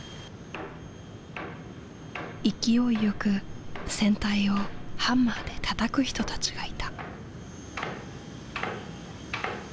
勢いよく船体をハンマーでたたく人たちがいた。